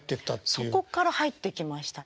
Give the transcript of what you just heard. そこから入っていきましたね。